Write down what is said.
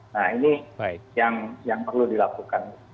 nah ini yang perlu dilakukan